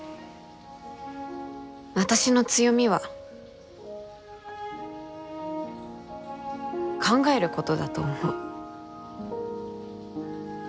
私の強みは考えることだと思う。